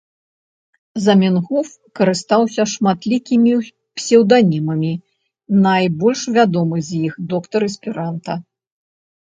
Заменгоф карыстаўся шматлікімі псеўданімамі, найбольш вядомы з якіх — Доктар Эсперанта